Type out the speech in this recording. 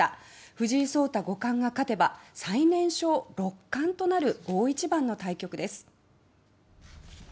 藤井聡太五冠が勝てば最年少六冠となる大一番の対局です。